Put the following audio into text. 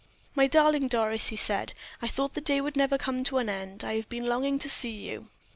"My darling Doris," he said, "I thought the day would never come to an end. I have been longing to see you."